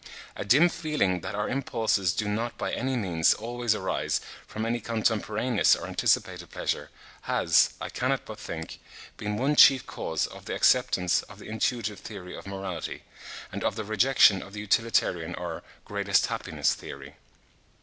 A dim feeling that our impulses do not by any means always arise from any contemporaneous or anticipated pleasure, has, I cannot but think, been one chief cause of the acceptance of the intuitive theory of morality, and of the rejection of the utilitarian or "Greatest happiness" theory.